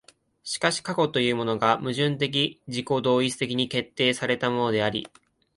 しかし過去というものが矛盾的自己同一的に決定せられたものであり、